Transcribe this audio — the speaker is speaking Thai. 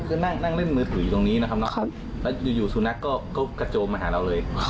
คือนั่งเล่นมือถืออยู่ตรงนี้นะครับแล้วอยู่สุนัขก็กระโจมมาหาเราเลย